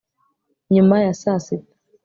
Nyuma ya saa sita